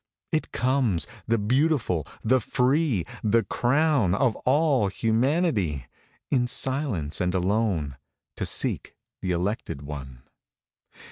It comes, — the beautiful, the free, Tl: >wn of all humanity, — In silence and alone 2Q To seek the elected one.